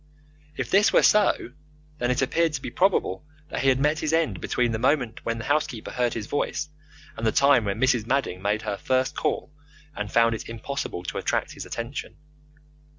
If this were so then it appeared to be probable that he had met his end between the moment when the housekeeper heard his voice and the time when Mrs. Madding made her first call and found it impossible to attract his attention.